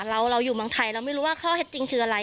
เราอยู่เมืองไทยเราไม่รู้ว่าข้อเท็จจริงคืออะไร